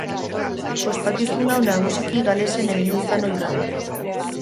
Ospakizun hau nagusiki Galesen egin izan ohi da.